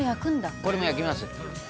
「これも焼きます」